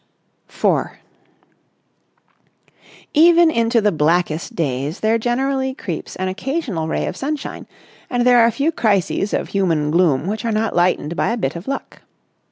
§ 4 Even into the blackest days there generally creeps an occasional ray of sunshine, and there are few crises of human gloom which are not lightened by a bit of luck.